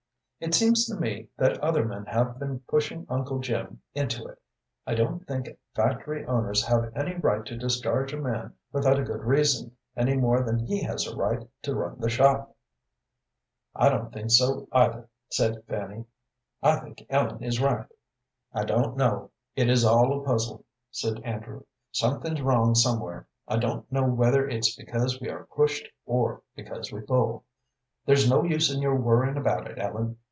It seems to me that other men have been pushing Uncle Jim into it. I don't think factory owners have any right to discharge a man without a good reason, any more than he has a right to run the shop." "I don't think so, either," said Fanny. "I think Ellen is right." "I don't know. It is all a puzzle," said Andrew. "Something's wrong somewhere. I don't know whether it's because we are pushed or because we pull. There's no use in your worrying about it, Ellen.